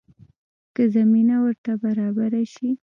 که زمینه ورته برابره شي.